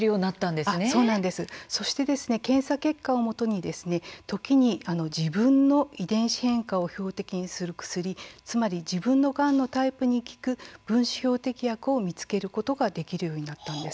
そして、検査結果をもとに時に自分の遺伝子変化を標的にする薬つまり自分のがんのタイプに効く分子標的薬を見つけることができるようになったんです。